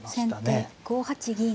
先手５八銀。